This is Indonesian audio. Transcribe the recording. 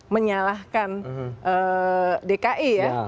menyalahkan dki ya